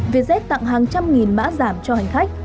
vietjet tặng hàng trăm nghìn mã giảm cho hành khách